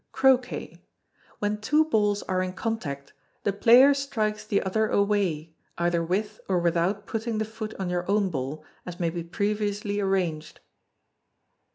Croquet. When two balls are in contact, the player strikes the other away, either with or without putting the foot on your own ball, as may be previously arranged.